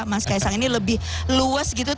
mas kaisang ini lebih luas gitu